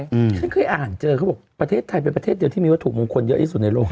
ฉันเคยอ่านเจอเขาบอกประเทศไทยเป็นประเทศเดียวที่มีวัตถุมงคลเยอะที่สุดในโลก